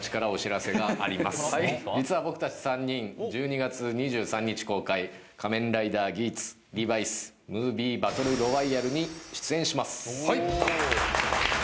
実は僕たち３人１２月２３日公開「仮面ライダーギーツ×リバイスＭＯＶＩＥバトルロワイヤル」に出演します。